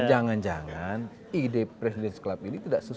jangan jangan ide presiden sekelap ini tidak susah